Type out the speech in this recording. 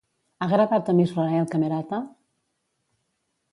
Ha gravat amb Israel Camerata?